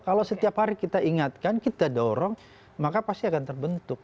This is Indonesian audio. kalau setiap hari kita ingatkan kita dorong maka pasti akan terbentuk